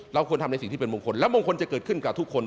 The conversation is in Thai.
เราควรทำในสิ่งที่เป็นมงคลและมงคลจะเกิดขึ้นกับทุกคน